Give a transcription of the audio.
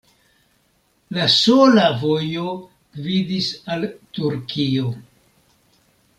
La sola vojo gvidis al Turkio.